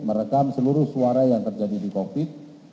merekam seluruh suara yang terjadi di covid